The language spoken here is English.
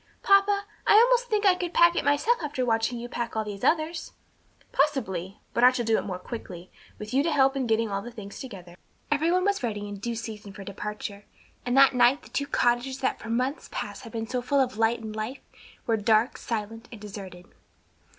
"Papa, I almost think I could pack it myself after watching you pack all these others." "Possibly; but I shall do it more quickly, with you to help in getting all the things together." Every one was ready in due season for departure, and that night the two cottages that for months past had been so full of light and life, were dark, silent and deserted.